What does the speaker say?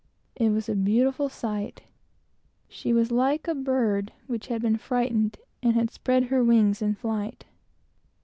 It was a beautiful sight. She was like a bird which had been frightened and had spread her wings in flight.